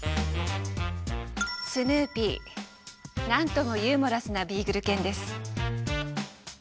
なんともユーモラスなビーグル犬です。